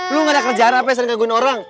lu gak ada kerjaan apa yang sering ngakuin orang